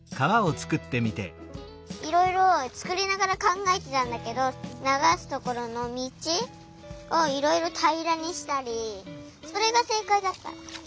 いろいろつくりながらかんがえてたんだけどながすところのみちをいろいろたいらにしたりそれがせいかいだった。